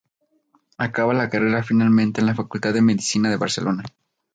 Acaba la carrera finalmente en la Facultad de Medicina de Barcelona.